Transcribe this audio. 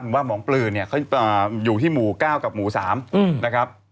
ว่าหมองปลือเนี่ยเขาอยู่ที่หมู่๙กับหมู่๓นะครับ